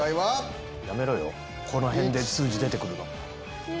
やめろよこのへんで数字出て来るの。